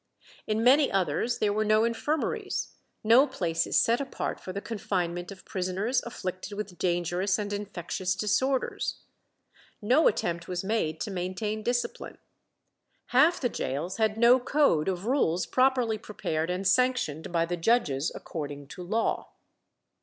In many others there were no infirmaries, no places set apart for the confinement of prisoners afflicted with dangerous and infectious disorders. No attempt was made to maintain discipline. Half the gaols had no code of rules properly prepared and sanctioned by the judges, according to law.